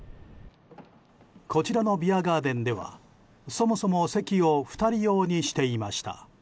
こちらのビアガーデンではそもそも席を２利用にしていました。